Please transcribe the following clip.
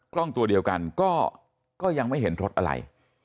กล้องตัวเดียวกันก็ยังไม่เห็นรถอะไร